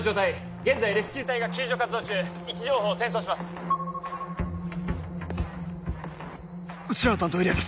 現在レスキュー隊が救助活動中位置情報を転送しますうちらの担当エリアです